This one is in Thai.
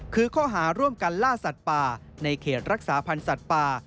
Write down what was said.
คือข้อหาร่วมกันล่าสัตว์ป่าในเขตรักษาพันธ์สัตว์ป่า